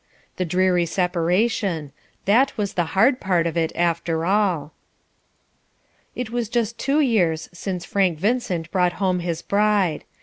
The dreary separation that was the hard part of it, after all. It was just two years since Frank Vincent brought home his bride.